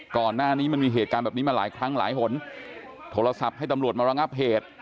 ก่อนหน้านี้มันมีเหตุการณ์แบบนี้มาหลายครั้งหลายหนโทรศัพท์ให้ตำรวจมาระงับเหตุ